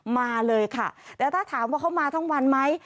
มาเลยค่ะแล้วถ้าถามว่าเขามาทั้งวันไหม